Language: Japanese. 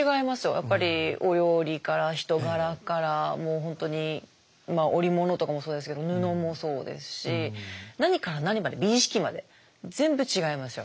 やっぱりお料理から人柄からもう本当に織物とかもそうですけど布もそうですし何から何まで美意識まで全部違いますよ。